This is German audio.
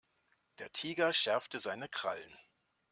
Der Tiger schärfte seine Krallen.